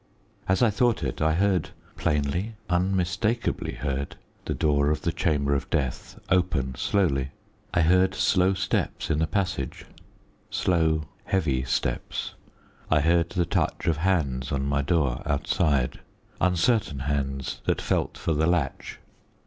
As I thought it, I heard plainly, unmistakably heard the door of the chamber of death open slowly I heard slow steps in the passage, slow, heavy steps I heard the touch of hands on my door outside, uncertain hands, that felt for the latch.